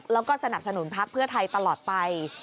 แล้วก็สนับสนุนพักเพื่อไทยตลอดไป